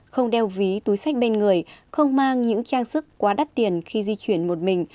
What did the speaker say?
không đeo ví túi sách bên người không mang những trang sức quá đắt tiền khi di chuyển một mình